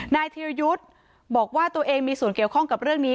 ธิรยุทธ์บอกว่าตัวเองมีส่วนเกี่ยวข้องกับเรื่องนี้